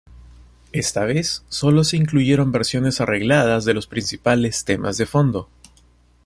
Esta vez solo se incluyeron versiones arregladas de los principales temas de fondo.